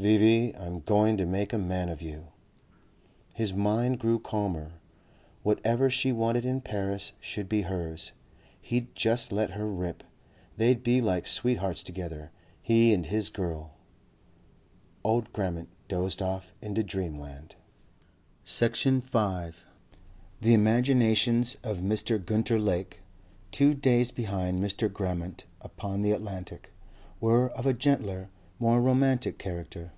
"V.V., I'm going to make a man of you...." His mind grew calmer. Whatever she wanted in Paris should be hers. He'd just let her rip. They'd be like sweethearts together, he and his girl. Old Grammont dozed off into dreamland. Section 5 The imaginations of Mr. Gunter Lake, two days behind Mr. Grammont upon the Atlantic, were of a gentler, more romantic character.